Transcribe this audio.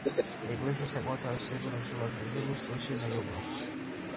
ეკლესია საკმაოდ თავისებურ რუსულ არქიტექტურულ სტილშია ნაგები.